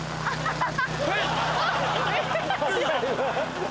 ハハハ！